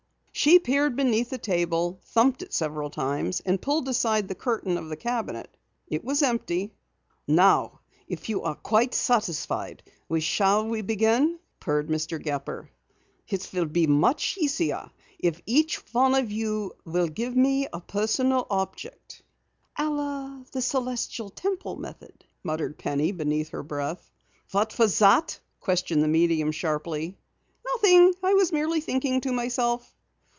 She peered beneath the table, thumped it several times, and pulled aside the curtain of the cabinet. It was empty. "Now if you are quite satisfied, shall we begin?" purred Mr. Gepper. "It will make it much easier, if each one of you will give me a personal object." "A la the Celestial Temple method," muttered Penny beneath her breath. "What was that?" questioned the medium sharply. "Nothing. I was merely thinking to myself."